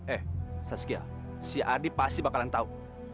eh saskia si adi pasti bakalan tahu